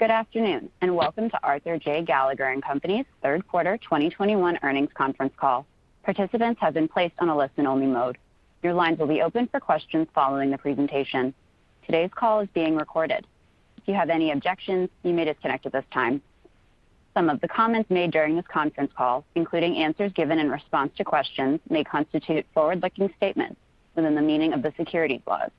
Good afternoon, and welcome to Arthur J. Gallagher & Company third quarter 2021 earnings conference call. Participants have been placed on a listen-only mode. Your lines will be open for questions following the presentation. Today's call is being recorded. If you have any objections, you may disconnect at this time. Some of the comments made during this conference call, including answers given in response to questions, may constitute forward-looking statements within the meaning of the securities laws.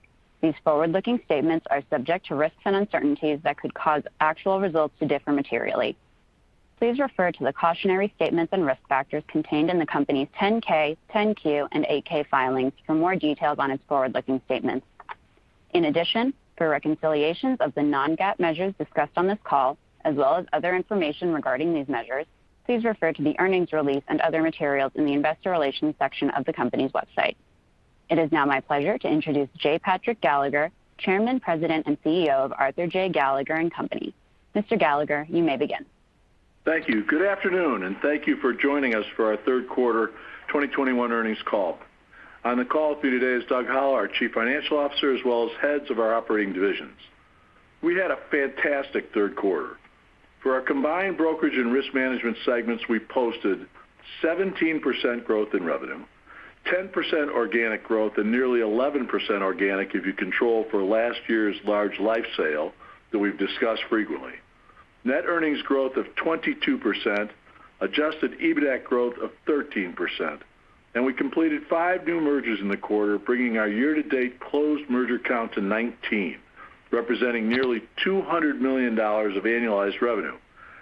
These forward-looking statements are subject to risks and uncertainties that could cause actual results to differ materially. Please refer to the cautionary statements and risk factors contained in the company's 10-K, 10-Q, and 8-K filings for more details on its forward-looking statements. In addition, for reconciliations of the non-GAAP measures discussed on this call, as well as other information regarding these measures, please refer to the earnings release and other materials in the investor relations section of the company's website. It is now my pleasure to introduce J. Patrick Gallagher, Chairman, President, and CEO of Arthur J. Gallagher & Company. Mr. Gallagher, you may begin. Thank you. Good afternoon, and thank you for joining us for our third quarter 2021 earnings call. On the call with you today is Doug Howell, our Chief Financial Officer, as well as heads of our operating divisions. We had a fantastic third quarter. For our combined brokerage and risk management segments, we posted 17% growth in revenue, 10% organic growth, and nearly 11% organic if you control for last year's large life sale that we've discussed frequently. Net earnings growth of 22%, adjusted EBITDA growth of 13%. We completed five new mergers in the quarter, bringing our year-to-date closed merger count to 19, representing nearly $200 million of annualized revenue.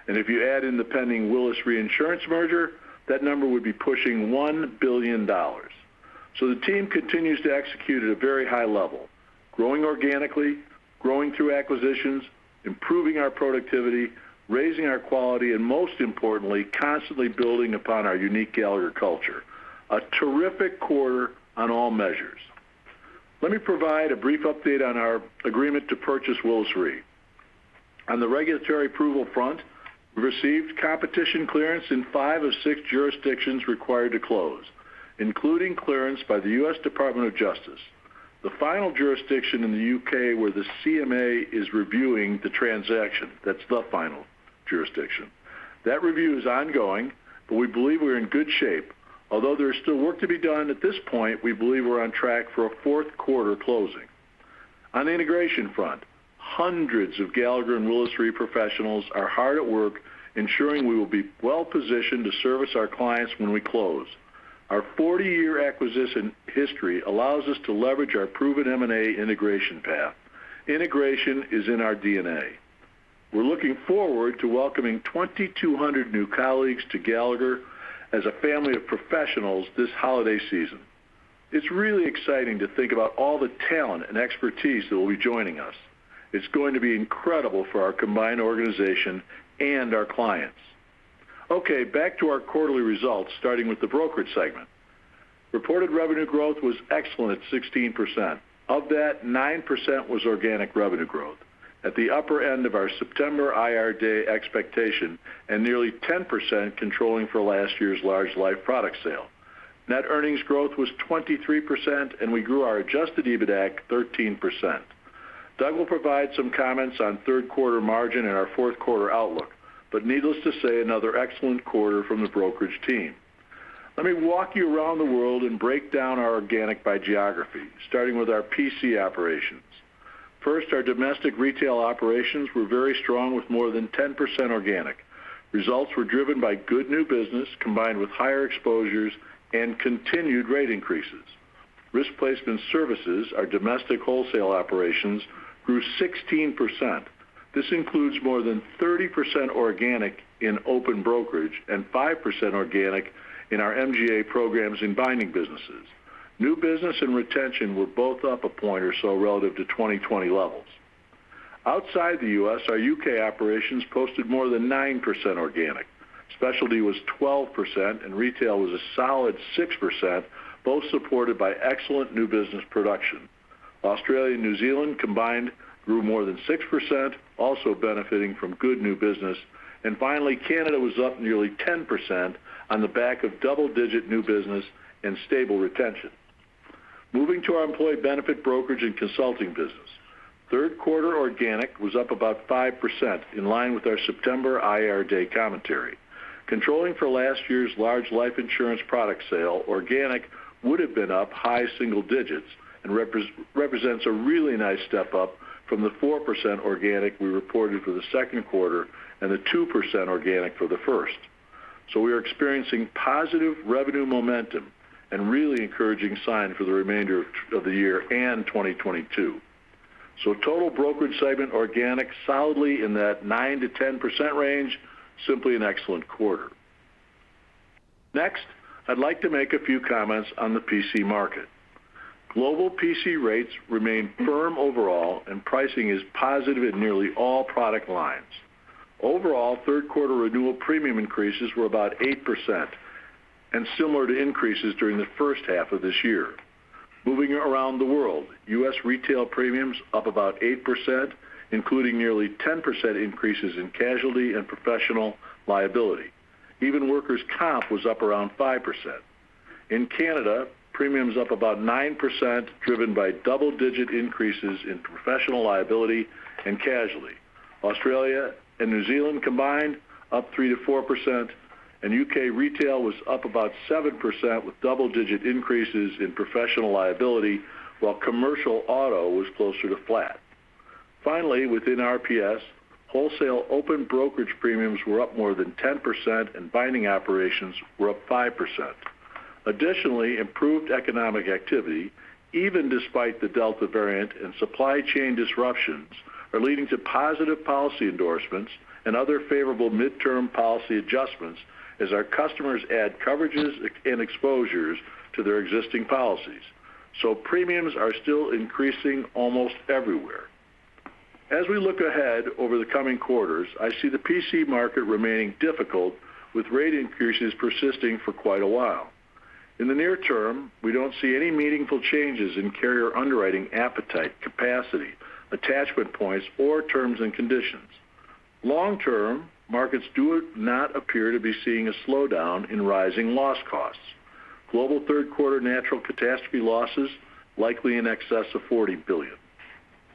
If you add in the pending Willis Re merger, that number would be pushing $1 billion. The team continues to execute at a very high level, growing organically, growing through acquisitions, improving our productivity, raising our quality, and most importantly, constantly building upon our unique Gallagher culture. A terrific quarter on all measures. Let me provide a brief update on our agreement to purchase Willis Re. On the regulatory approval front, we received competition clearance in five of six jurisdictions required to close, including clearance by the US Department of Justice, the final jurisdiction in the U.K., where the CMA is reviewing the transaction. That's the final jurisdiction. That review is ongoing, but we believe we're in good shape. Although there is still work to be done at this point, we believe we're on track for a fourth quarter closing. On the integration front, hundreds of Gallagher and Willis Re professionals are hard at work ensuring we will be well-positioned to service our clients when we close. Our 40-year acquisition history allows us to leverage our proven M&A integration path. Integration is in our DNA. We're looking forward to welcoming 2,200 new colleagues to Gallagher as a family of professionals this holiday season. It's really exciting to think about all the talent and expertise that will be joining us. It's going to be incredible for our combined organization and our clients. Okay, back to our quarterly results, starting with the brokerage segment. Reported revenue growth was excellent at 16%. Of that, 9% was organic revenue growth at the upper end of our September IR Day expectation and nearly 10% controlling for last year's large life product sale. Net earnings growth was 23%, and we grew our adjusted EBITDA 13%. Doug will provide some comments on third quarter margin and our fourth quarter outlook, but needless to say, another excellent quarter from the brokerage team. Let me walk you around the world and break down our organic by geography, starting with our PC operations. First, our domestic retail operations were very strong with more than 10% organic. Results were driven by good new business combined with higher exposures and continued rate increases. Risk Placement Services, our domestic wholesale operations, grew 16%. This includes more than 30% organic in open brokerage and 5% organic in our MGA programs in binding businesses. New business and retention were both up a point or so relative to 2020 levels. Outside the U.S., our U.K. operations posted more than 9% organic. Specialty was 12%, and retail was a solid 6%, both supported by excellent new business production. Australia and New Zealand combined grew more than 6%, also benefiting from good new business. Finally, Canada was up nearly 10% on the back of double-digit new business and stable retention. Moving to our employee benefit brokerage and consulting business. Third quarter organic was up about 5% in line with our September IR Day commentary. Controlling for last year's large life insurance product sale, organic would have been up high single digits and represents a really nice step up from the 4% organic we reported for the second quarter and the 2% organic for the first. We are experiencing positive revenue momentum and really encouraging sign for the remainder of the year and 2022. Total brokerage segment organic solidly in that 9%-10% range, simply an excellent quarter. Next, I'd like to make a few comments on the PC market. Global PC rates remain firm overall and pricing is positive in nearly all product lines. Overall, third quarter renewal premium increases were about 8% and similar to increases during the first half of this year. Moving around the world, U.S. retail premiums up about 8%, including nearly 10% increases in casualty and professional liability. Even workers' comp was up around 5%. In Canada, premiums up about 9% driven by double-digit increases in professional liability and casualty. Australia and New Zealand combined up 3%-4%, and U.K. retail was up about 7% with double-digit increases in professional liability while commercial auto was closer to flat. Finally, within RPS, wholesale open brokerage premiums were up more than 10% and binding operations were up 5%. Additionally, improved economic activity, even despite the Delta variant and supply chain disruptions, are leading to positive policy endorsements and other favorable midterm policy adjustments as our customers add coverages and exposures to their existing policies. Premiums are still increasing almost everywhere. As we look ahead over the coming quarters, I see the PC market remaining difficult, with rate increases persisting for quite a while. In the near term, we don't see any meaningful changes in carrier underwriting appetite, capacity, attachment points or terms and conditions. Long-term, markets do not appear to be seeing a slowdown in rising loss costs, global third quarter natural catastrophe losses likely in excess of $40 billion,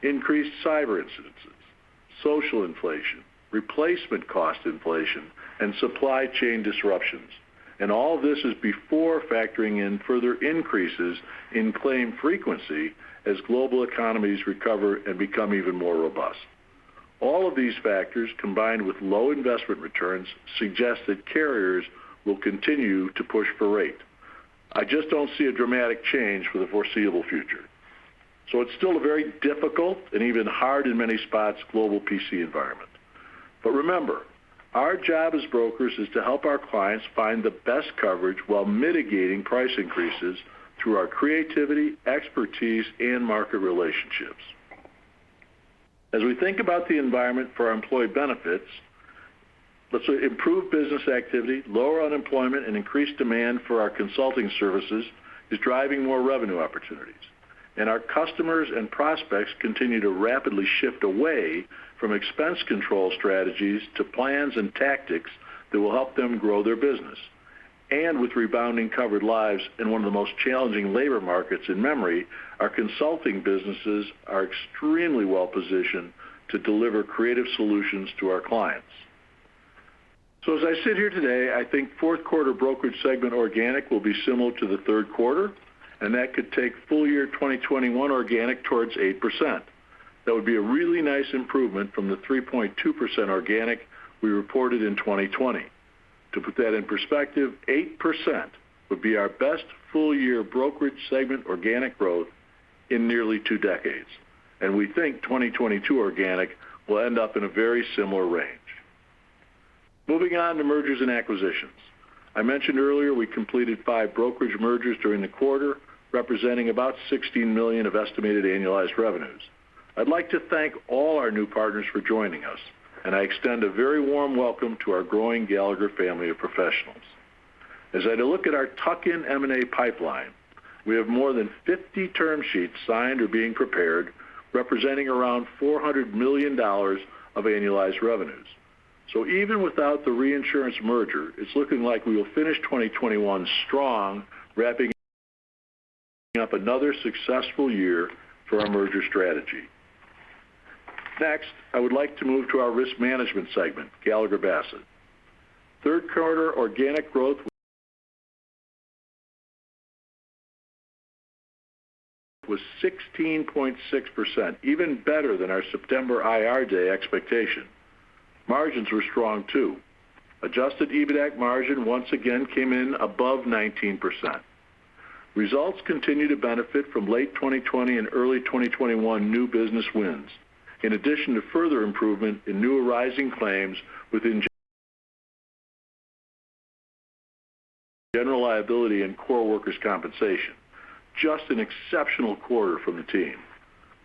increased cyber incidents, social inflation, replacement cost inflation and supply chain disruptions. All this is before factoring in further increases in claim frequency as global economies recover and become even more robust. All of these factors, combined with low investment returns, suggest that carriers will continue to push for rate. I just don't see a dramatic change for the foreseeable future. It's still a very difficult and even hard in many spots, global PC environment. Remember, our job as brokers is to help our clients find the best coverage while mitigating price increases through our creativity, expertise and market relationships. As we think about the environment for employee benefits, let's say improved business activity, lower unemployment and increased demand for our consulting services is driving more revenue opportunities. Our customers and prospects continue to rapidly shift away from expense control strategies to plans and tactics that will help them grow their business. With rebounding covered lives in one of the most challenging labor markets in memory, our consulting businesses are extremely well-positioned to deliver creative solutions to our clients. As I sit here today, I think fourth quarter brokerage segment organic will be similar to the third quarter, and that could take full year 2021 organic towards 8%. That would be a really nice improvement from the 3.2% organic we reported in 2020. To put that in perspective, 8% would be our best full year brokerage segment organic growth in nearly two decades. We think 2022 organic will end up in a very similar range. Moving on to mergers and acquisitions. I mentioned earlier we completed five brokerage mergers during the quarter, representing about $16 million of estimated annualized revenues. I'd like to thank all our new partners for joining us, and I extend a very warm welcome to our growing Gallagher family of professionals. As I look at our tuck-in M&A pipeline, we have more than 50 term sheets signed or being prepared, representing around $400 million of annualized revenues. Even without the reinsurance merger, it's looking like we will finish 2021 strong, wrapping up another successful year for our merger strategy. Next, I would like to move to our risk management segment, Gallagher Bassett. Third-quarter organic growth was 16.6%, even better than our September IR Day expectation. Margins were strong too. Adjusted EBITAC margin once again came in above 19%. Results continue to benefit from late 2020 and early 2021 new business wins, in addition to further improvement in new arising claims within general liability and core workers' compensation. Just an exceptional quarter from the team.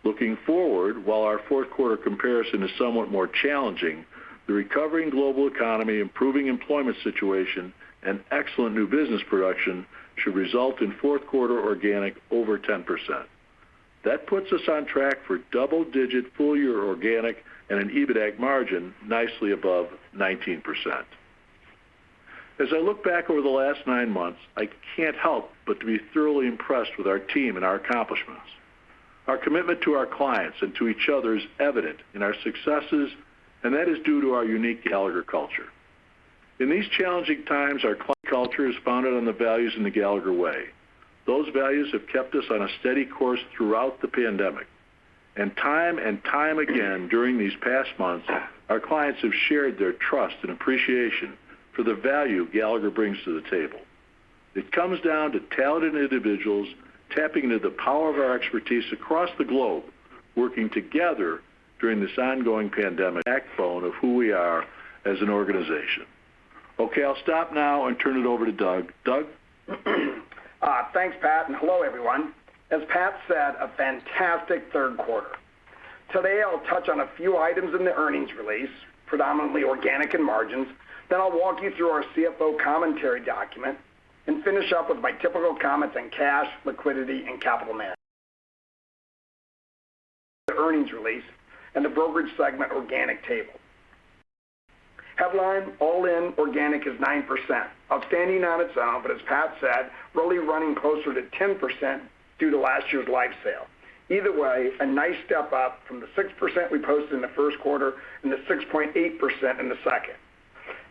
Looking forward, while our fourth quarter comparison is somewhat more challenging, the recovering global economy, improving employment situation, and excellent new business production should result in fourth quarter organic over 10%. That puts us on track for double-digit full-year organic and an EBITAC margin nicely above 19%. As I look back over the last nine months, I can't help but to be thoroughly impressed with our team and our accomplishments. Our commitment to our clients and to each other is evident in our successes, and that is due to our unique Gallagher culture. In these challenging times, our culture is founded on the values in the Gallagher Way. Those values have kept us on a steady course throughout the pandemic. Time and time again, during these past months, our clients have shared their trust and appreciation for the value Gallagher brings to the table. It comes down to talented individuals tapping into the power of our expertise across the globe, working together during this ongoing pandemic, backbone of who we are as an organization. Okay, I'll stop now and turn it over to Doug. Doug? Thanks, Pat, and hello, everyone. As Pat said, a fantastic third quarter. Today, I'll touch on a few items in the earnings release, predominantly organic and margins. Then I'll walk you through our CFO commentary document and finish up with my typical comments on cash, liquidity and capital management. The earnings release and the brokerage segment organic table. Headline all-in organic is 9%, outstanding on its own, but as Pat said, really running closer to 10% due to last year's life sale. Either way, a nice step up from the 6% we posted in the first quarter and the 6.8% in the second.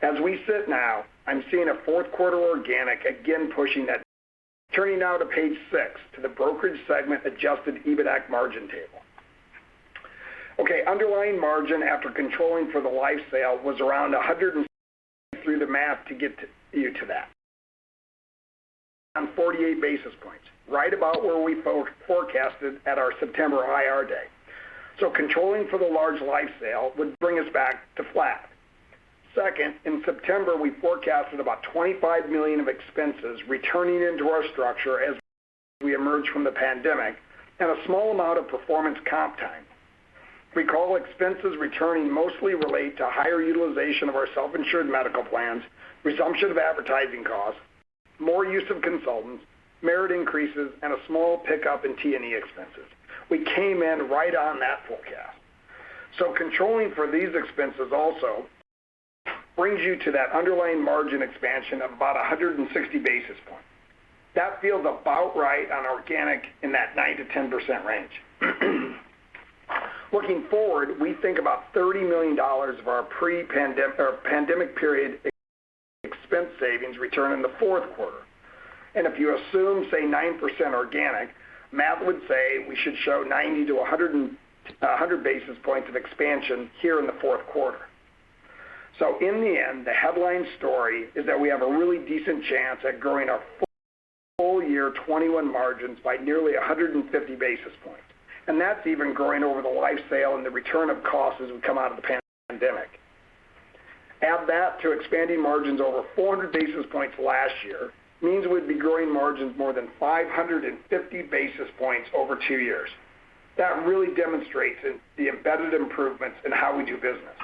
As we sit now, I'm seeing a fourth quarter organic again pushing that. Turning now to page 6 to the brokerage segment adjusted EBITAC margin table. Okay, underlying margin after controlling for the life sale was around 103 through the math to get you to that. On 48 basis points, right about where we forecasted at our September IR Day. Controlling for the large life sale would bring us back to flat. Second, in September, we forecasted about $25 million of expenses returning into our structure as we emerge from the pandemic, and a small amount of performance comp time. Recall expenses returning mostly relate to higher utilization of our self-insured medical plans, resumption of advertising costs, more use of consultants, merit increases, and a small pickup in T&E expenses. We came in right on that forecast. Controlling for these expenses also brings you to that underlying margin expansion of about 160 basis points. That feels about right on organic in that 9%-10% range. Looking forward, we think about $30 million of our pre-pandemic or pandemic period expense savings return in the fourth quarter. If you assume, say, 9% organic, math would say we should show 90-100 basis points of expansion here in the fourth quarter. In the end, the headline story is that we have a really decent chance at growing our full year 2021 margins by nearly 150 basis points. That's even growing over the life sale and the return of costs as we come out of the pandemic. Add that to expanding margins over 400 basis points last year means we'd be growing margins more than 550 basis points over two years. That really demonstrates the embedded improvements in how we do business.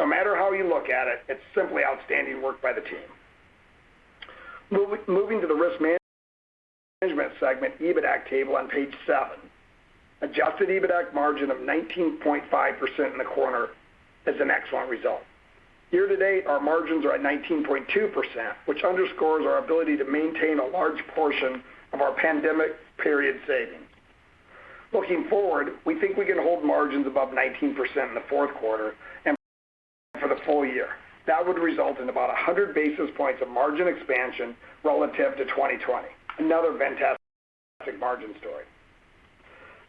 No matter how you look at it's simply outstanding work by the team. Moving to the risk management segment, EBITAC table on page 7. Adjusted EBITAC margin of 19.5% in the quarter is an excellent result. Year to date, our margins are at 19.2%, which underscores our ability to maintain a large portion of our pandemic period savings. Looking forward, we think we can hold margins above 19% in the fourth quarter and for the full year. That would result in about 100 basis points of margin expansion relative to 2020. Another fantastic margin story.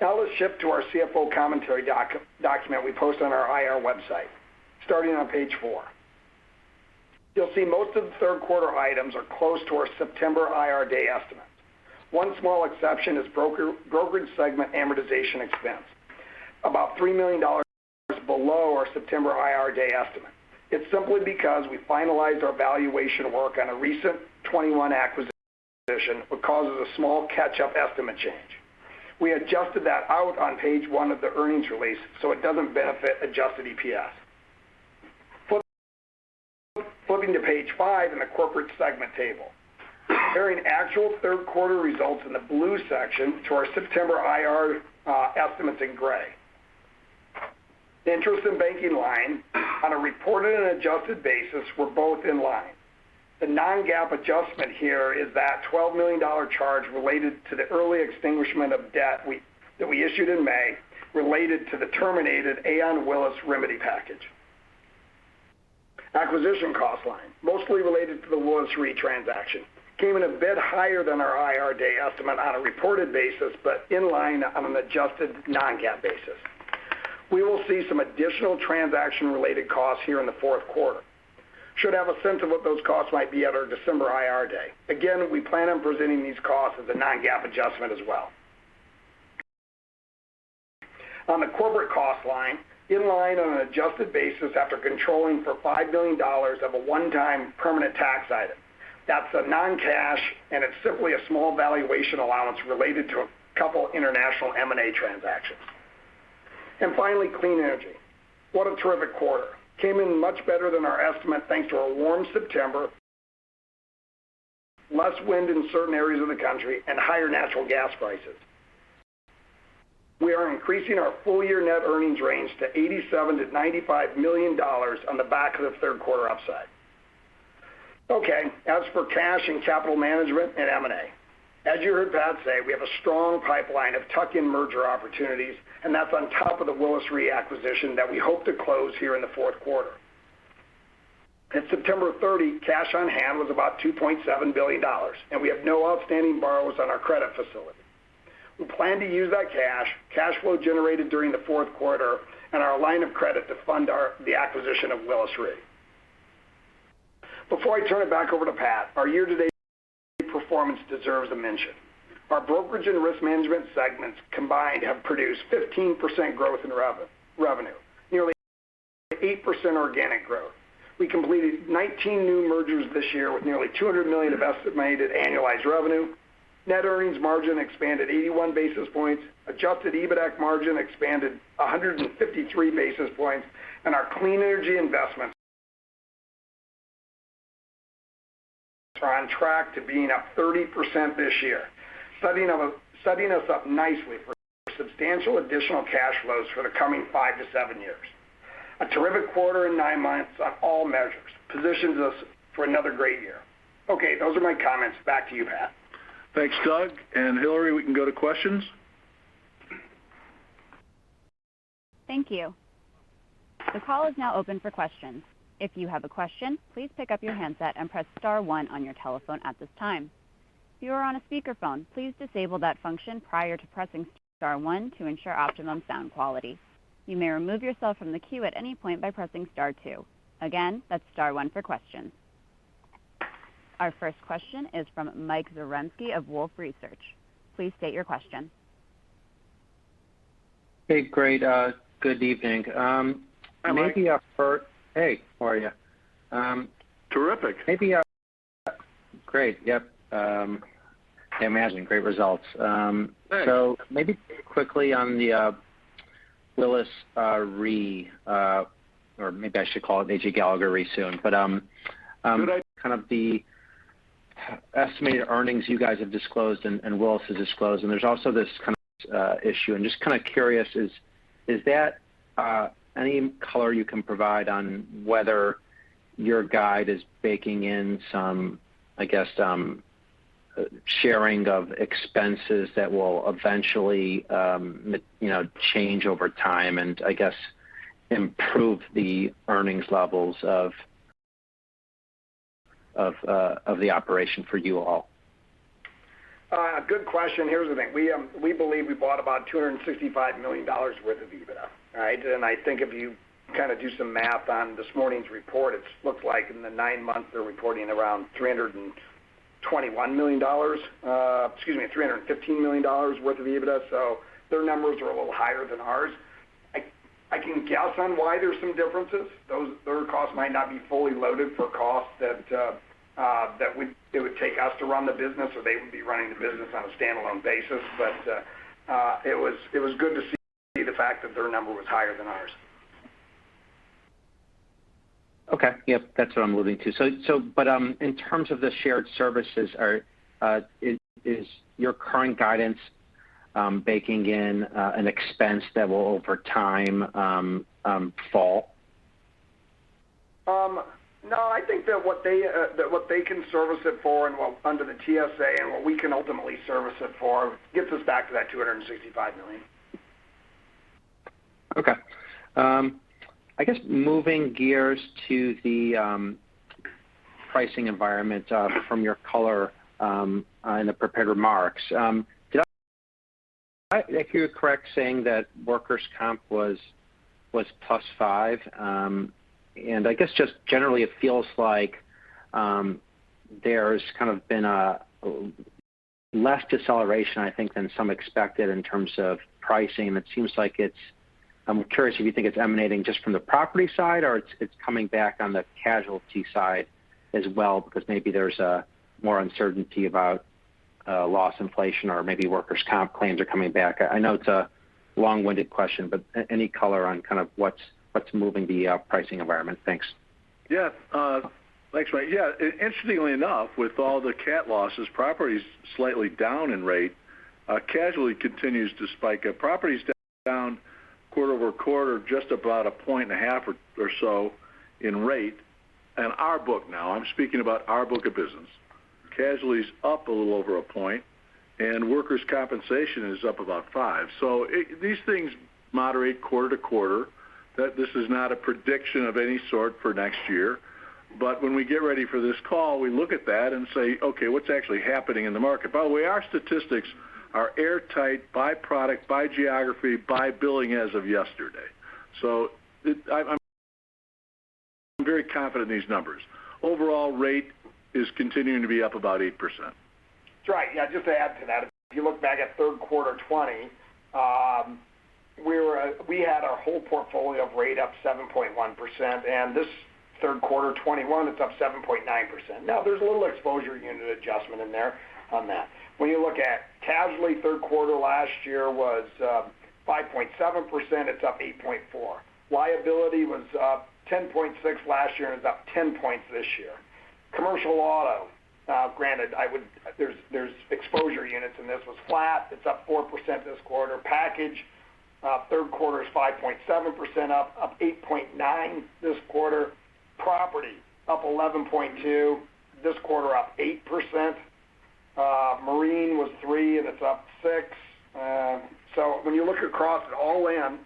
Now let's shift to our CFO commentary document we post on our IR website. Starting on page 4. You'll see most of the third quarter items are close to our September IR Day estimates. One small exception is brokerage segment amortization expense. About $3 million below our September IR Day estimate. It's simply because we finalized our valuation work on a recent 2021 acquisition, which causes a small catch-up estimate change. We adjusted that out on page one of the earnings release, so it doesn't benefit adjusted EPS. Flipping to page five in the corporate segment table. Comparing actual third quarter results in the blue section to our September IR Day estimates in gray. The Interest & Banking line on a reported and adjusted basis were both in line. The non-GAAP adjustment here is that $12 million charge related to the early extinguishment of debt we issued in May related to the terminated Aon Willis remedy package. Acquisition cost line, mostly related to the Willis Re transaction, came in a bit higher than our IR day estimate on a reported basis, but in line on an adjusted non-GAAP basis. We will see some additional transaction-related costs here in the fourth quarter. Should have a sense of what those costs might be at our December IR day. Again, we plan on presenting these costs as a non-GAAP adjustment as well. On the corporate cost line, in line on an adjusted basis after controlling for $5 million of a one-time permanent tax item. That's a non-cash, and it's simply a small valuation allowance related to a couple international M&A transactions. Finally, clean energy. What a terrific quarter. Came in much better than our estimate thanks to a warm September, less wind in certain areas of the country, and higher natural gas prices. We are increasing our full-year net earnings range to $87 million-$95 million on the back of the third quarter upside. Okay, as for cash and capital management and M&A. As you heard Pat say, we have a strong pipeline of tuck-in merger opportunities, and that's on top of the Willis Re acquisition that we hope to close here in the fourth quarter. At September 30, cash on hand was about $2.7 billion, and we have no outstanding borrowers on our credit facility. We plan to use that cash flow generated during the fourth quarter and our line of credit to fund the acquisition of Willis Re. Before I turn it back over to Pat, our year-to-date performance deserves a mention. Our brokerage and risk management segments combined have produced 15% growth in revenue, nearly 8% organic growth. We completed 19 new mergers this year with nearly $200 million estimated annualized revenue. Net earnings margin expanded 81 basis points. Adjusted EBITAC margin expanded 153 basis points. Our clean energy investments. We're on track to being up 30% this year, setting us up nicely for substantial additional cash flows for the coming 5-7 years. A terrific quarter and 9 months on all measures positions us for another great year. Okay, those are my comments. Back to you, Pat. Thanks, Doug. Hillary, we can go to questions. Thank you. The call is now open for questions. If you have a question, please pick up your handset and press star one on your telephone at this time. If you are on a speakerphone, please disable that function prior to pressing star one to ensure optimum sound quality. You may remove yourself from the queue at any point by pressing star two. Again, that's star one for questions. Our first question is from Mike Zaremski of Wolfe Research. Please state your question. Hey, great. Good evening. Hi, Mike. Hey, how are you? Terrific. Great. Yep. I imagine great results. Thanks. Maybe quickly on the Willis Re or maybe I should call it A.J. Gallagher Re. Good. Kind of the estimated earnings you guys have disclosed and Willis has disclosed, and there's also this kind of issue. I'm just kind of curious, is that any color you can provide on whether your guide is baking in some, I guess, sharing of expenses that will eventually, you know, change over time and I guess improve the earnings levels of the operation for you all? Good question. Here's the thing. We believe we bought about $265 million worth of EBITDA, all right? I think if you kind of do some math on this morning's report, it looks like in the nine months they're reporting around $321 million, three hundred and fifteen million dollars worth of EBITDA. So their numbers are a little higher than ours. I can guess on why there's some differences. Their costs might not be fully loaded for costs that it would take us to run the business, or they would be running the business on a standalone basis. It was good to see the fact that their number was higher than ours. Okay, that's what I'm alluding to. In terms of the shared services, is your current guidance baking in an expense that will over time fall? No, I think that what they can service it for and what under the TSA and what we can ultimately service it for gets us back to that $265 million. I guess shifting gears to the pricing environment from your color in the prepared remarks. Did I hear you correctly saying that workers' comp was +5%? I guess just generally it feels like there's kind of been a less deceleration, I think, than some expected in terms of pricing. It seems like it's. I'm curious if you think it's emanating just from the property side or it's coming back on the casualty side as well, because maybe there's more uncertainty about loss inflation or maybe workers' comp claims are coming back. I know it's a long-winded question, but any color on kind of what's moving the pricing environment? Thanks. Yeah. Thanks, Mike. Yeah. Interestingly enough, with all the cat losses, property's slightly down in rate. Casualty continues to spike. Property's down quarter-over-quarter, just about 1.5% or so in rate. Our book now, I'm speaking about our book of business, casualty is up a little over 1%, and workers' compensation is up about 5%. These things moderate quarter-to-quarter. This is not a prediction of any sort for next year. When we get ready for this call, we look at that and say, "Okay, what's actually happening in the market?" By the way, our statistics are airtight by product, by geography, by billing as of yesterday. I'm very confident in these numbers. Overall rate is continuing to be up about 8%. That's right. Yeah, just to add to that, if you look back at third quarter 2020, we had our whole portfolio of rate up 7.1%, and this third quarter 2021, it's up 7.9%. Now there's a little exposure unit adjustment in there on that. When you look at casualty, third quarter last year was 5.7%, it's up 8.4%. Liability was up 10.6% last year, and it's up 10% this year. Commercial auto, granted, there's exposure units in this, was flat. It's up 4% this quarter. Package, third quarter is 5.7% up, 8.9% this quarter. Property up 11.2%, this quarter up 8%. Marine was 3%, and it's up 6%. When you look across the board,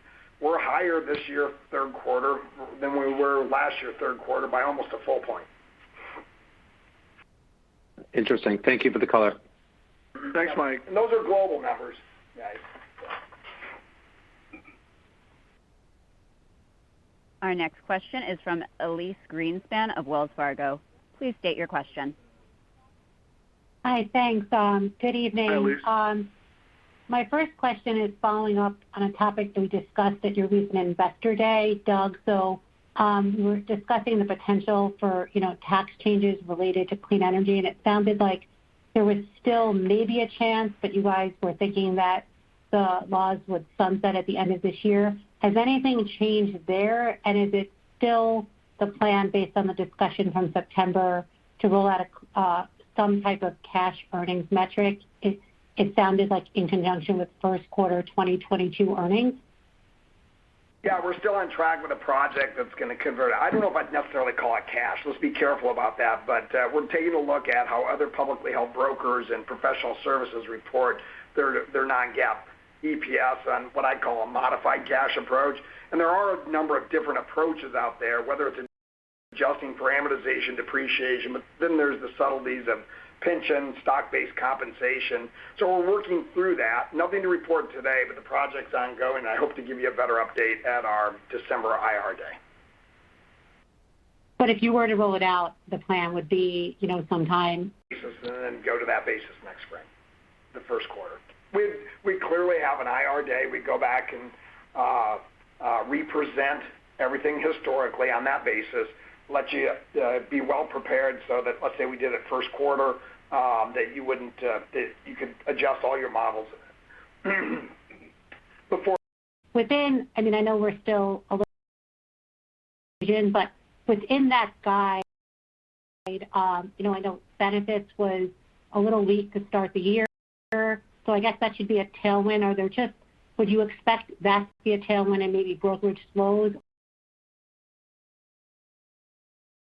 we're higher this year, third quarter than we were last year, third quarter by almost a full point. Interesting. Thank you for the color. Thanks, Mike. Those are global numbers, guys. Our next question is from Elyse Greenspan of Wells Fargo. Please state your question. Hi. Thanks. Good evening. Hi, Elyse. My first question is following up on a topic we discussed at your recent Investor Day, Doug. You were discussing the potential for, you know, tax changes related to clean energy, and it sounded like there was still maybe a chance that you guys were thinking that the laws would sunset at the end of this year. Has anything changed there? Is it still the plan based on the discussion from September to roll out some type of cash earnings metric? It sounded like in conjunction with first quarter 2022 earnings. Yeah, we're still on track with a project that's going to convert. I don't know if I'd necessarily call it cash. Let's be careful about that. We're taking a look at how other publicly held brokers and professional services report their non-GAAP EPS on what I call a modified cash approach. There are a number of different approaches out there, whether it's adjusting amortization, depreciation, but then there's the subtleties of pension, stock-based compensation. We're working through that. Nothing to report today, but the project's ongoing. I hope to give you a better update at our December IR Day. If you were to roll it out, the plan would be, you know, sometime. Then go to that basis next spring, the first quarter. We clearly have an IR Day. We go back and represent everything historically on that basis, let you be well prepared so that let's say we did it first quarter, that you could adjust all your models before- Within that, I mean, I know we're still a little bit within that guide. You know, I know benefits was a little weak to start the year, so I guess that should be a tailwind. Would you expect that to be a tailwind and maybe brokerage slows?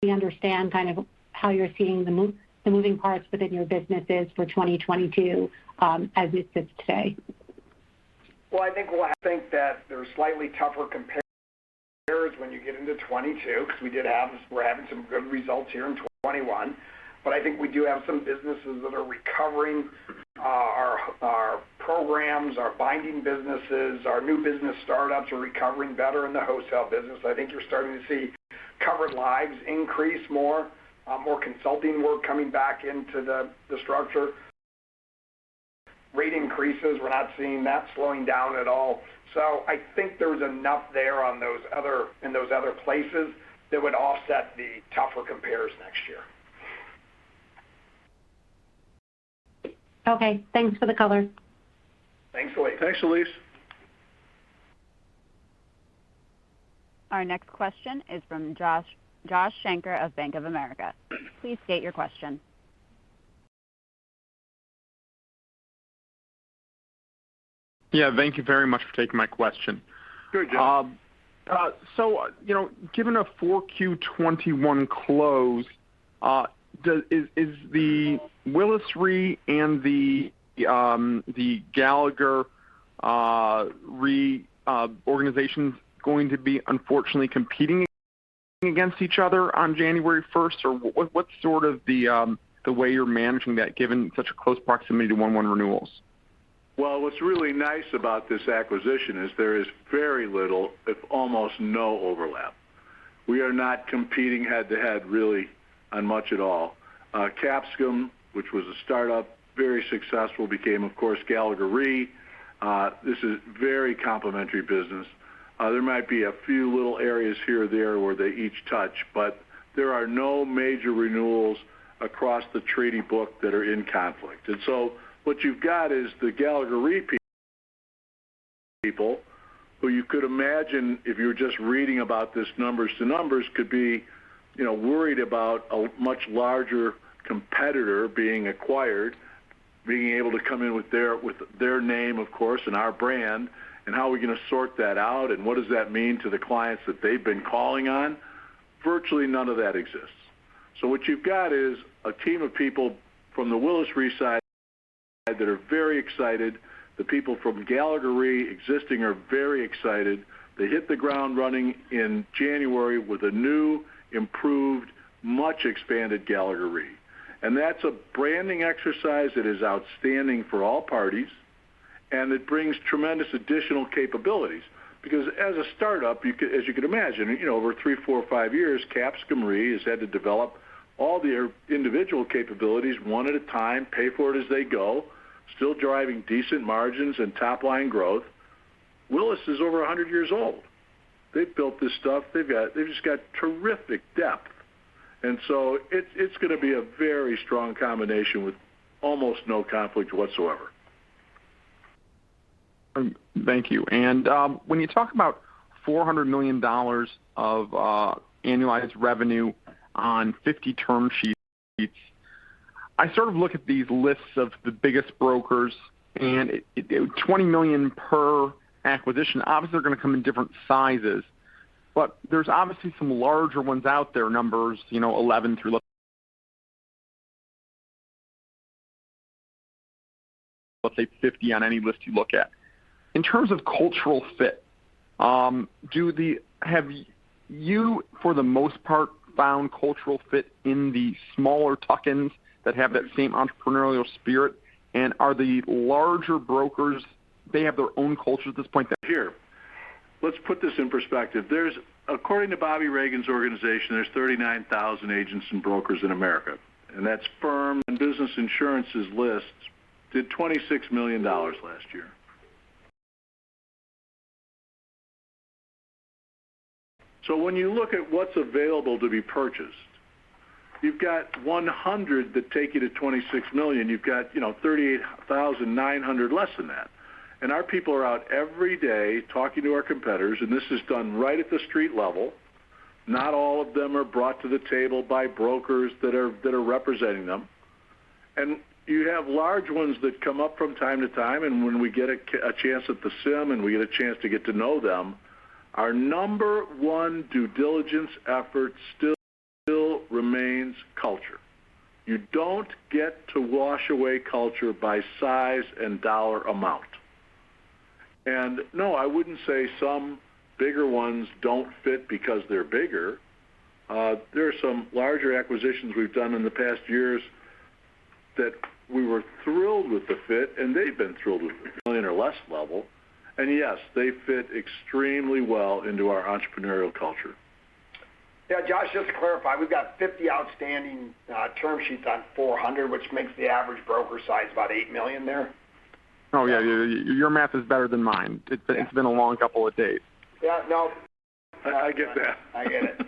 We understand kind of how you're seeing the move, the moving parts within your businesses for 2022, as it sits today. well, I think that there are slightly tougher compares when you get into 2022, because we're having some good results here in 2021. I think we do have some businesses that are recovering. Our programs, our binding businesses, our new business startups are recovering better in the wholesale business. I think you're starting to see covered lives increase more, more consulting work coming back into the structure. Rate increases, we're not seeing that slowing down at all. I think there's enough there in those other places that would offset the tougher compares next year. Okay. Thanks for the color. Thanks, Elyse. Our next question is from Josh Shanker of Bank of America. Please state your question. Yeah, thank you very much for taking my question. Good, Josh. You know, given a 4Q 2021 close, is the Willis Re and the Gallagher Re organizations going to be unfortunately competing against each other on January first? Or what's sort of the way you're managing that given such a close proximity to 1/1 renewals? Well, what's really nice about this acquisition is there is very little, if almost no overlap. We are not competing head to head really on much at all. Capsicum, which was a startup, very successful, became, of course, Gallagher Re. This is very complementary business. There might be a few little areas here or there where they each touch, but there are no major renewals across the treaty book that are in conflict. What you've got is the Gallagher Re people, who you could imagine if you're just reading about this numbers to numbers, could be, you know, worried about a much larger competitor being acquired, being able to come in with their name, of course, and our brand, and how are we going to sort that out, and what does that mean to the clients that they've been calling on. Virtually none of that exists. What you've got is a team of people from the Willis Re side that are very excited. The people from Gallagher Re existing are very excited. They hit the ground running in January with a new, improved, much expanded Gallagher Re. That's a branding exercise that is outstanding for all parties, and it brings tremendous additional capabilities. Because as a startup, you could, as you can imagine, you know, over 3, 4, 5 years, Capsicum Re has had to develop all their individual capabilities one at a time, pay for it as they go, still driving decent margins and top line growth. Willis is over 100 years old. They've built this stuff. They've just got terrific depth. It's going to be a very strong combination with almost no conflict whatsoever. Thank you. When you talk about $400 million of annualized revenue on 50 term sheets, I sort of look at these lists of the biggest brokers and $20 million per acquisition, obviously, they're going to come in different sizes. There's obviously some larger ones out there, numbers, you know, 11 through, let's say 50 on any list you look at. In terms of cultural fit, have you, for the most part, found cultural fit in the smaller tuck-ins that have that same entrepreneurial spirit? Are the larger brokers, they have their own culture at this point that Here. Let's put this in perspective. There's according to Bobby Reagan's organization, there's 39,000 agents and brokers in America, and that's from Business Insurance's lists did $26 million last year. When you look at what's available to be purchased, you've got 100 that take you to $26 million. You've got 38,900 less than that. Our people are out every day talking to our competitors, and this is done right at the street level. Not all of them are brought to the table by brokers that are representing them. You have large ones that come up from time to time, and when we get a chance at the CIM and we get a chance to get to know them, our number one due diligence effort still remains culture. You don't get to wash away culture by size and dollar amount. No, I wouldn't say some bigger ones don't fit because they're bigger. There are some larger acquisitions we've done in the past years that we were thrilled with the fit, and they've been thrilled with the million or less level. Yes, they fit extremely well into our entrepreneurial culture. Yeah, Josh, just to clarify, we've got 50 outstanding term sheets on 400, which makes the average broker size about $8 million there. Oh, yeah. Your math is better than mine. Yeah. It's been a long couple of days. Yeah, no. I get that. I get it.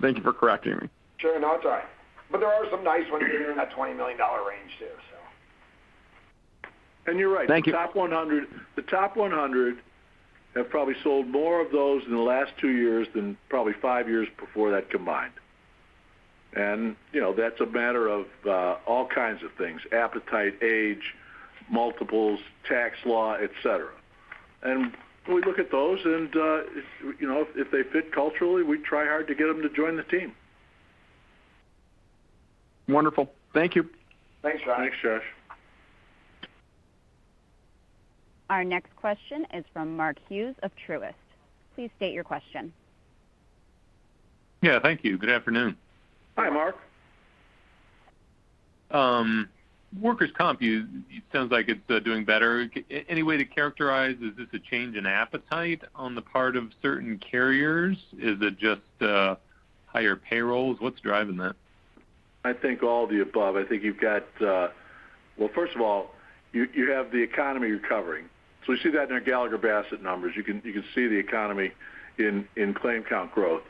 Thank you for correcting me. Sure, no, it's all right. There are some nice ones in that $20 million range, too, so. You're right. Thank you. The top 100 have probably sold more of those in the last 2 years than probably 5 years before that combined. You know, that's a matter of all kinds of things, appetite, age, multiples, tax law, et cetera. We look at those and you know, if they fit culturally, we try hard to get them to join the team. Wonderful. Thank you. Thanks, Josh. Thanks, Josh. Our next question is from Mark Hughes of Truist. Please state your question. Yeah, thank you. Good afternoon. Hi, Mark. Workers' comp, it sounds like it's doing better. Any way to characterize, is this a change in appetite on the part of certain carriers? Is it just higher payrolls? What's driving that? I think all of the above. I think you've got. Well, first of all, you have the economy recovering. We see that in our Gallagher Bassett numbers. You can see the economy in claim count growth.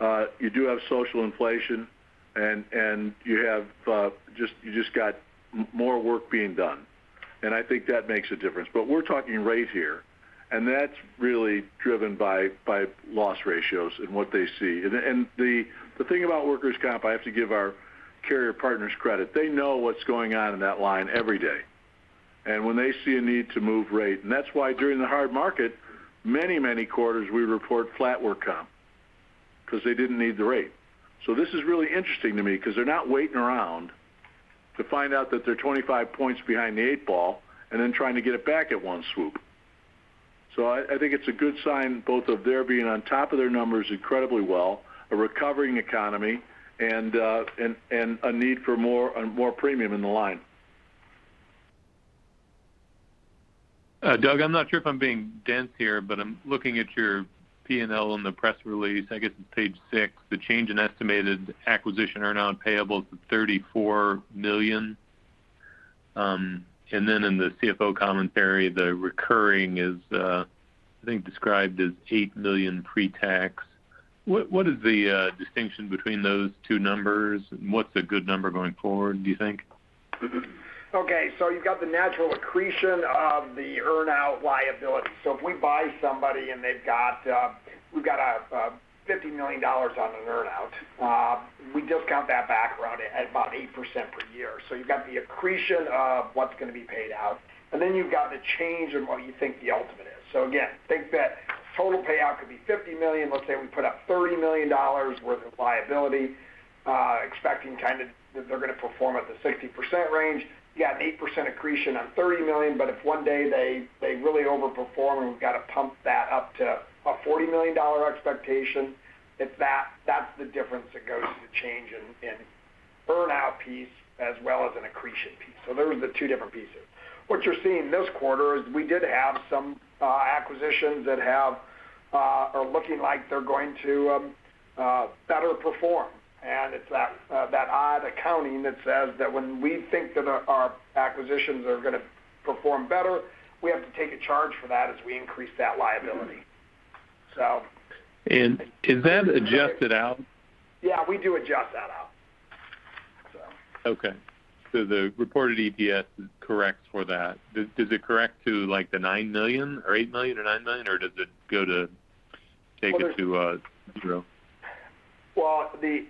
You do have social inflation and you have just you just got more work being done. I think that makes a difference. We're talking rate here, and that's really driven by loss ratios and what they see. The thing about workers' comp, I have to give our carrier partners credit. They know what's going on in that line every day. When they see a need to move rate, and that's why during the hard market, many quarters we report flat work comp because they didn't need the rate. This is really interesting to me because they're not waiting around to find out that they're 25 points behind the eight ball and then trying to get it back in one swoop. I think it's a good sign both of their being on top of their numbers incredibly well, a recovering economy and a need for more premium in the line. Doug, I'm not sure if I'm being dense here, but I'm looking at your P&L in the press release. I guess it's page 6, the change in estimated acquisition earnout payable is at $34 million. In the CFO commentary, the recurring is, I think, described as $8 million pre-tax. What is the distinction between those two numbers? What's a good number going forward, do you think? Okay. You've got the natural accretion of the earnout liability. If we buy somebody and we've got $50 million on an earnout, we discount that back around at about 8% per year. You've got the accretion of what's going to be paid out, and then you've got the change in what you think the ultimate is. Again, I think that total payout could be $50 million. Let's say we put up $30 million worth of liability, expecting kind of that they're going to perform at the 60% range. You've got an 8% accretion on $30 million, but if one day they really overperform and we've got to pump that up to a $40 million expectation, it's that that's the difference that goes to the change in earnout piece as well as an accretion piece. Those are the two different pieces. What you're seeing this quarter is we did have some acquisitions that are looking like they're going to better perform. It's that odd accounting that says that when we think that our acquisitions are gonna perform better, we have to take a charge for that as we increase that liability. Is that adjusted out? Yeah, we do adjust that out. Okay. The reported EPS is correct for that. Does it correct to like the $9 million or $8 million or $9 million, or does it go to take it to $0? Well, the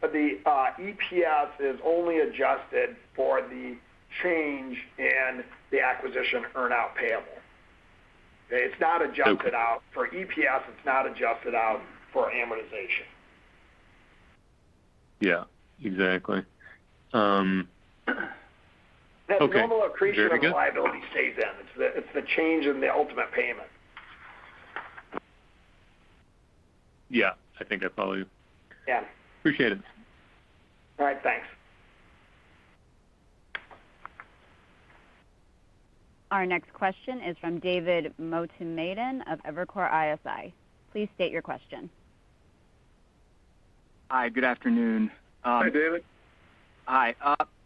EPS is only adjusted for the change in the acquisition earnout payable. It's not adjusted out. Okay. For EPS, it's not adjusted out for amortization. Yeah, exactly. Okay. That's normal accretion of liability stays in. It's the change in the ultimate payment. Yeah, I think I probably. Yeah. Appreciate it. All right. Thanks. Our next question is from David Motemaden of Evercore ISI. Please state your question. Hi, good afternoon. Hi, David. Hi.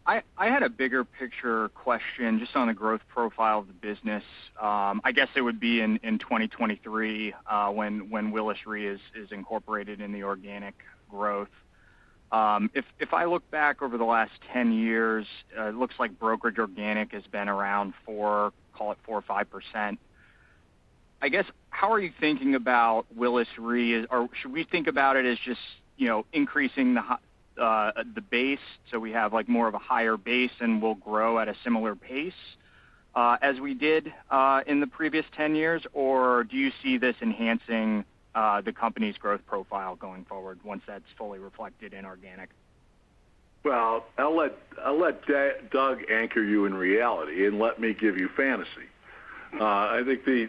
I had a bigger picture question just on the growth profile of the business. I guess it would be in 2023, when Willis Re is incorporated in the organic growth. If I look back over the last 10 years, it looks like brokerage organic has been around 4%, call it 4% or 5%. I guess, how are you thinking about Willis Re? Or should we think about it as just, you know, increasing the base, so we have, like, more of a higher base and will grow at a similar pace, as we did in the previous 10 years? Or do you see this enhancing the company's growth profile going forward once that's fully reflected in organic? Well, I'll let Doug anchor you in reality and let me give you fantasy. I think the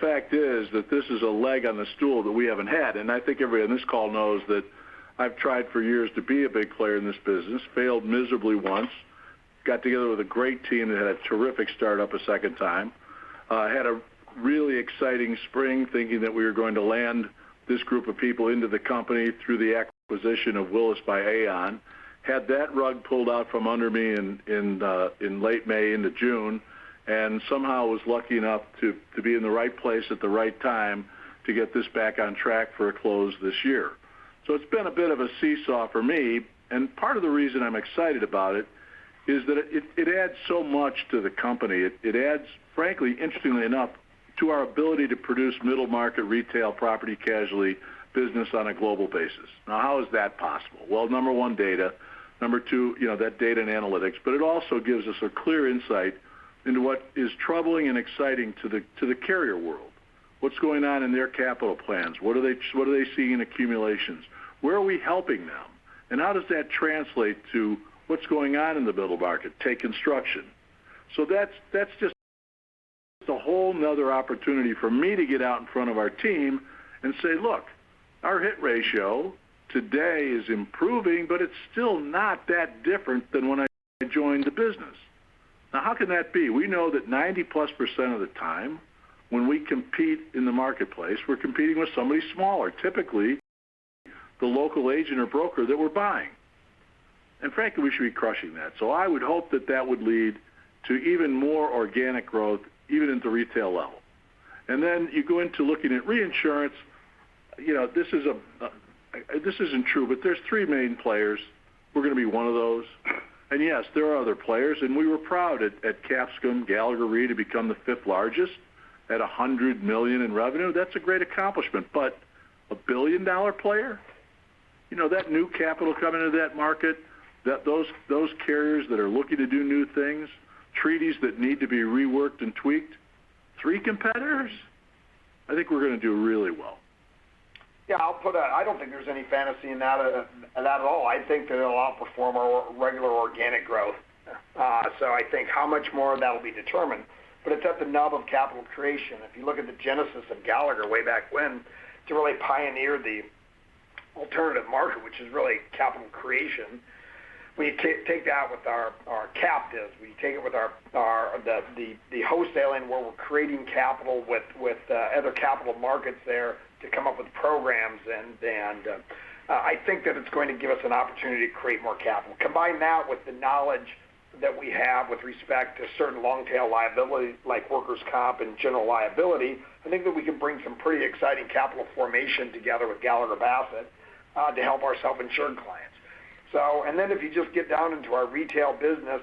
fact is that this is a leg on the stool that we haven't had. I think everyone on this call knows that I've tried for years to be a big player in this business, failed miserably once, got together with a great team that had a terrific startup a second time. Had a really exciting spring thinking that we were going to land this group of people into the company through the acquisition of Willis by Aon. Had that rug pulled out from under me in late May into June, and somehow was lucky enough to be in the right place at the right time to get this back on track for a close this year. It's been a bit of a seesaw for me, and part of the reason I'm excited about it is that it adds so much to the company. It adds, frankly, interestingly enough, to our ability to produce middle market retail property casualty business on a global basis. Now how is that possible? Well, number one, data. Number two, you know, that data and analytics. But it also gives us a clear insight into what is troubling and exciting to the carrier world. What's going on in their capital plans? What are they seeing in accumulations? Where are we helping them? And how does that translate to what's going on in the middle market? Take construction. That's just a whole nother opportunity for me to get out in front of our team and say, "Look, our hit ratio today is improving, but it's still not that different than when I joined the business." Now how can that be? We know that 90%+ of the time when we compete in the marketplace, we're competing with somebody smaller, typically the local agent or broker that we're buying. Frankly, we should be crushing that. I would hope that that would lead to even more organic growth, even at the retail level. Then you go into looking at reinsurance. You know, this isn't true, but there's 3 main players. We're gonna be one of those. Yes, there are other players, and we were proud at Capsicum Gallagher Re to become the fifth-largest at $100 million in revenue. That's a great accomplishment. A billion-dollar player? You know, that new capital coming into that market, those carriers that are looking to do new things, treaties that need to be reworked and tweaked, three competitors? I think we're gonna do really well. Yeah, I don't think there's any fantasy in that at all. I think that it'll outperform our regular organic growth. I think how much more of that will be determined, but it's at the nub of capital creation. If you look at the genesis of Gallagher way back when, to really pioneer the alternative market, which is really capital creation, we take that with our captives. We take it with our wholesaling, where we're creating capital with other capital markets there to come up with programs. I think that it's going to give us an opportunity to create more capital. Combine that with the knowledge that we have with respect to certain long-tail liabilities like workers' comp and general liability. I think that we can bring some pretty exciting capital formation together with Gallagher Bassett to help our self-insured clients. If you just get down into our retail business,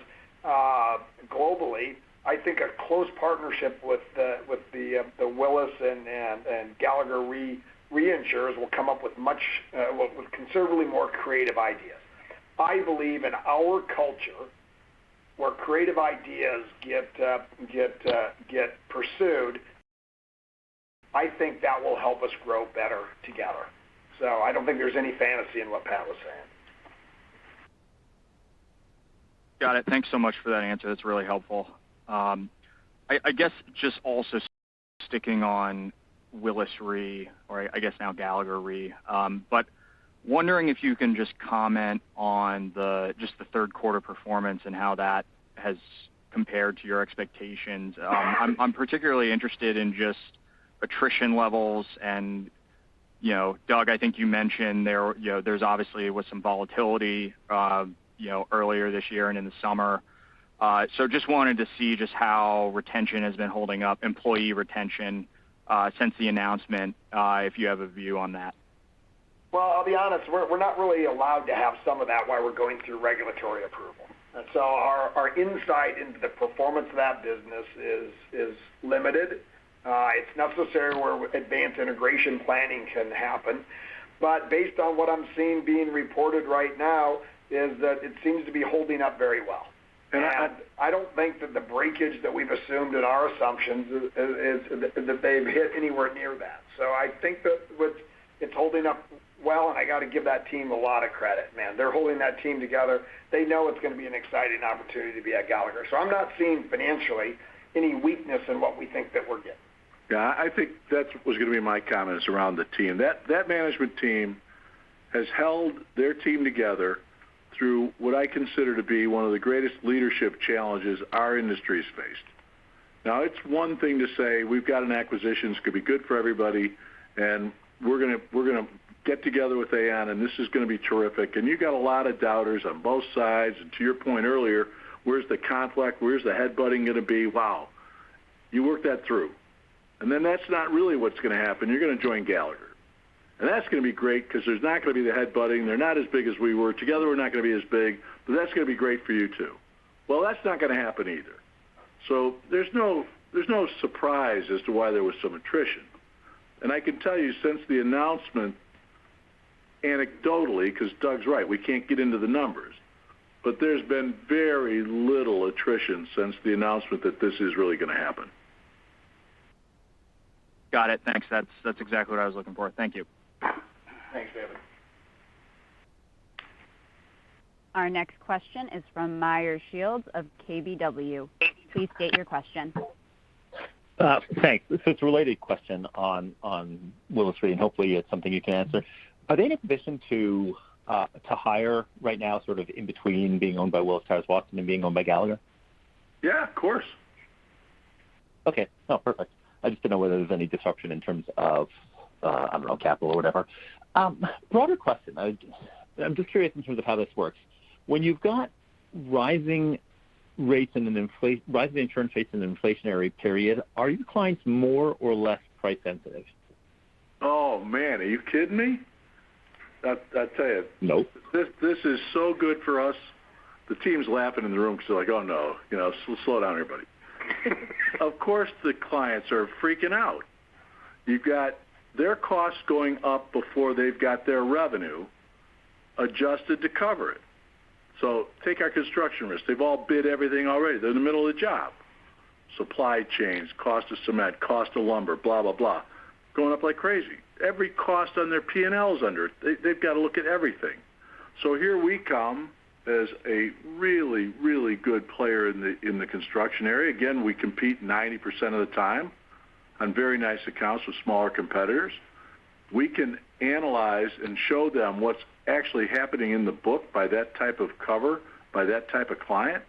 globally, I think a close partnership with the Willis Re and Gallagher Re reinsurers will come up with considerably more creative ideas. I believe in our culture, where creative ideas get pursued. I think that will help us grow better together. I don't think there's any fantasy in what Pat was saying. Got it. Thanks so much for that answer. That's really helpful. I guess just also sticking on Willis Re, or I guess now Gallagher Re, but wondering if you can just comment on the just the third quarter performance and how that has compared to your expectations. I'm particularly interested in just attrition levels and, you know, Doug, I think you mentioned there, you know, there's obviously was some volatility, you know, earlier this year and in the summer. Just wanted to see just how retention has been holding up, employee retention, since the announcement, if you have a view on that. Well, I'll be honest, we're not really allowed to have some of that while we're going through regulatory approval. Our insight into the performance of that business is limited. It's not necessarily where advanced integration planning can happen. Based on what I'm seeing being reported right now is that it seems to be holding up very well. I don't think that the breakage that we've assumed in our assumptions is that they've hit anywhere near that. I think that it's holding up well, and I gotta give that team a lot of credit, man. They're holding that team together. They know it's gonna be an exciting opportunity to be at Gallagher. I'm not seeing financially any weakness in what we think that we're getting. Yeah, I think that was gonna be my comment is around the team. That management team has held their team together through what I consider to be one of the greatest leadership challenges our industry has faced. Now it's one thing to say we've got an acquisition, this could be good for everybody, and we're gonna get together with Aon, and this is gonna be terrific. You got a lot of doubters on both sides. To your point earlier, where's the conflict? Where's the headbutting gonna be? Wow, you work that through. Then that's not really what's gonna happen. You're gonna join Gallagher. That's gonna be great 'cause there's not gonna be the headbutting. They're not as big as we were. Together, we're not gonna be as big, but that's gonna be great for you, too. Well, that's not gonna happen either. There's no surprise as to why there was some attrition. I can tell you since the announcement, anecdotally, 'cause Doug's right, we can't get into the numbers, but there's been very little attrition since the announcement that this is really gonna happen. Got it. Thanks. That's exactly what I was looking for. Thank you. Thanks, David. Our next question is from Meyer Shields of KBW. Please state your question. Thanks. It's a related question on Willis Re, and hopefully it's something you can answer. Are they in a position to hire right now, sort of in between being owned by Willis Towers Watson and being owned by Gallagher? Yeah, of course. Okay. No, perfect. I just didn't know whether there was any disruption in terms of, I don't know, capital or whatever. Broader question. I'm just curious in terms of how this works. When you've got rising rates and rising insurance rates in an inflationary period, are your clients more or less price sensitive? Oh, man, are you kidding me? I tell you. Nope. This is so good for us. The team's laughing in the room 'cause they're like, "Oh, no," you know. "Slow down, everybody." Of course the clients are freaking out. You've got their costs going up before they've got their revenue adjusted to cover it. Take our construction risk. They've all bid everything already. They're in the middle of the job. Supply chains, cost of cement, cost of lumber, blah, blah, going up like crazy. Every cost on their P&L is under it. They've got to look at everything. Here we come as a really, really good player in the construction area. Again, we compete 90% of the time on very nice accounts with smaller competitors. We can analyze and show them what's actually happening in the book by that type of cover, by that type of client,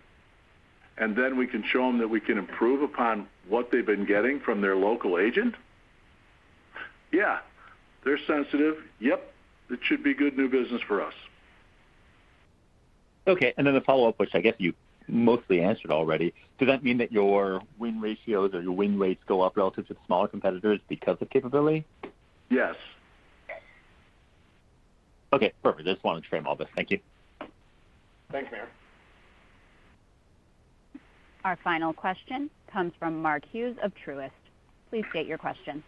and then we can show them that we can improve upon what they've been getting from their local agent. Yeah, they're sensitive. Yep, it should be good new business for us. Okay, the follow-up, which I guess you mostly answered already, does that mean that your win ratios or your win rates go up relative to smaller competitors because of capability? Yes. Okay, perfect. I just wanted to frame all this. Thank you. Thanks, Meyer. Our final question comes from Mark Hughes of Truist. Please state your question.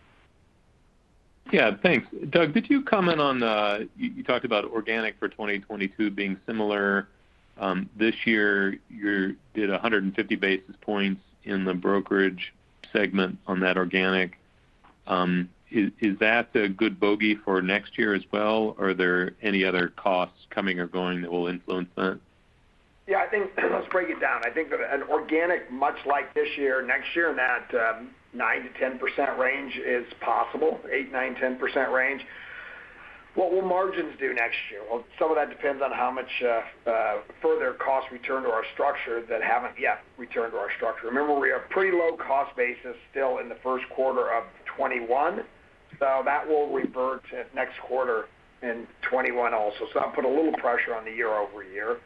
Yeah, thanks. Doug, could you comment on. You talked about organic for 2022 being similar this year. You did 150 basis points in the brokerage segment on that organic. Is that a good bogey for next year as well? Are there any other costs coming or going that will influence that? Yeah, I think, let's break it down. I think that an organic, much like this year, next year in that 9%-10% range is possible, 8%-10% range. What will margins do next year? Well, some of that depends on how much further costs return to our structure that haven't yet returned to our structure. Remember, we have pretty low cost basis still in the first quarter of 2021. So that will revert to next quarter in 2021 also. So that'll put a little pressure on the year-over-year.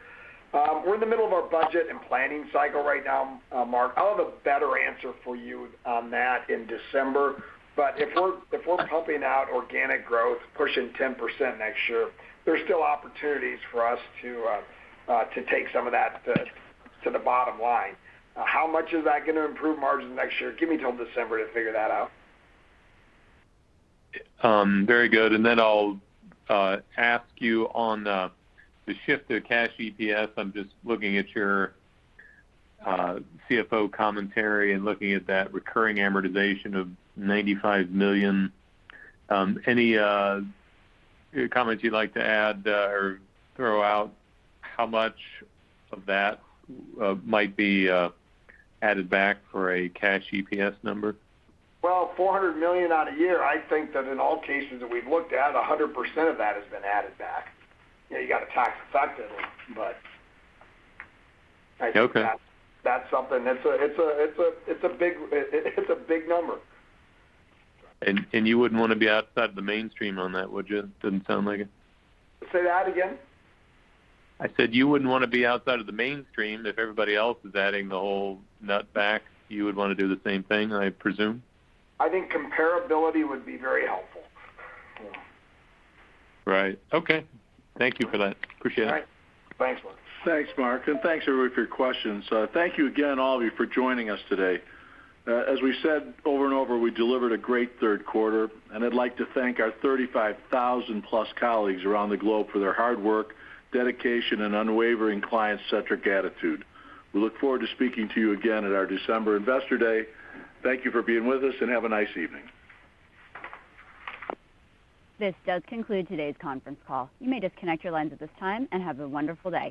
We're in the middle of our budget and planning cycle right now, Mark. I'll have a better answer for you on that in December. If we're pumping out organic growth, pushing 10% next year, there's still opportunities for us to take some of that to the bottom line. How much is that gonna improve margins next year? Give me till December to figure that out. Very good. I'll ask you on the shift to cash EPS. I'm just looking at your CFO commentary and looking at that recurring amortization of $95 million. Any comments you'd like to add or throw out how much of that might be added back for a cash EPS number? $400 million on a year, I think that in all cases that we've looked at, 100% of that has been added back. You know, you got to tax effectively, but- Okay I think that's something. It's a big number. You wouldn't want to be outside the mainstream on that, would you? Doesn't sound like it. Say that again? I said you wouldn't want to be outside of the mainstream if everybody else is adding the whole nut back. You would want to do the same thing, I presume. I think comparability would be very helpful. Yeah. Right. Okay. Thank you for that. Appreciate it. All right. Thanks, Mark. Thanks, Mark, and thanks everyone for your questions. Thank you again all of you for joining us today. As we said over and over, we delivered a great third quarter, and I'd like to thank our 35,000+ colleagues around the globe for their hard work, dedication, and unwavering client-centric attitude. We look forward to speaking to you again at our December Investor Day. Thank you for being with us, and have a nice evening. This does conclude today's conference call. You may disconnect your lines at this time, and have a wonderful day.